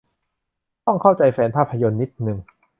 ต้องเข้าใจแฟนภาพยนตร์นิดนึง